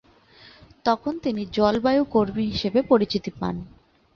তখন থেকে তিনি জলবায়ু কর্মী হিসেবে পরিচিতি পান।